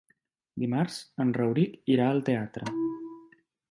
Dimarts en Rauric irà al teatre.